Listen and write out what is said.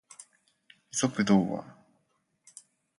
イソップ童話